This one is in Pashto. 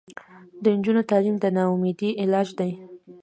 د نجونو تعلیم د ناامیدۍ علاج دی.